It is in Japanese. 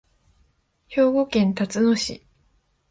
兵庫県たつの市